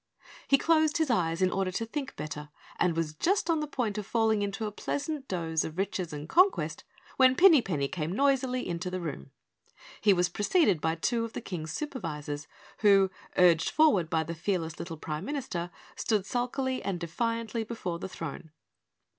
He closed his eyes in order to think better and was just on the point of falling into a pleasant doze of riches and conquest, when Pinny Penny came noisily into the room. He was preceded by two of the King's Supervisors, who, urged forward by the fearless little Prime Minister, stood sulkily and defiantly before the throne.